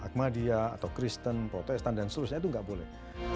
ahmadiyah atau kristen protestan dan seterusnya itu nggak boleh